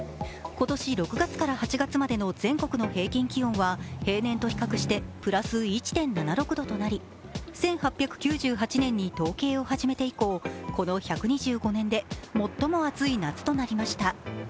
今年６月から８月までの全国の平均気温は平年と比較してプラス１．７６度となり１８９８年に統計を始めて以降、この１２５年で最も暑い夏となりました。